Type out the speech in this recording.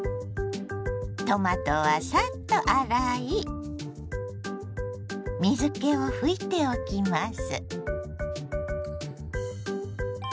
トマトはサッと洗い水けを拭いておきます。